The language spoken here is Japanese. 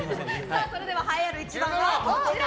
それでは、栄えある１番はこちら。